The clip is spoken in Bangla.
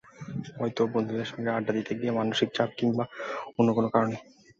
হয়তো বন্ধুদের সঙ্গে আড্ডা দিতে গিয়ে, মানসিক চাপ কিংবা অন্য কোনো কারণে।